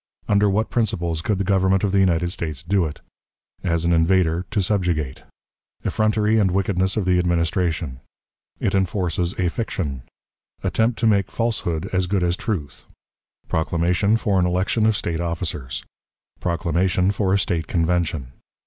Under what Principles could the Government of the United States do it? As an Invader to subjugate. Effrontery and Wickedness of the Administration. It enforces a Fiction. Attempt to make Falsehood as good as Truth. Proclamation for an Election of State Officers. Proclamation for a State Convention.